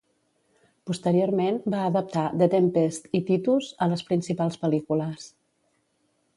Posteriorment va adaptar "The Tempest" i "Titus" a les principals pel·lícules.